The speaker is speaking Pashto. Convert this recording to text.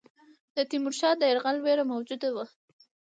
د تیمورشاه د یرغل وېره موجوده وه.